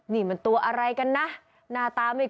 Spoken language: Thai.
นี่มันตัวอะไรกันนะ